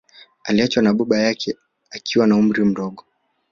Aliachwa na baba yake akiwa na umri mdogo